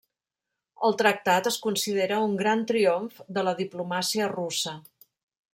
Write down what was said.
El tractat es considera un gran triomf de la diplomàcia russa.